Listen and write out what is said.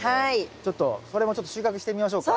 ちょっとそれも収穫してみましょうか。